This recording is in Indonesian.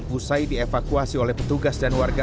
usai dievakuasi oleh petugas dan warga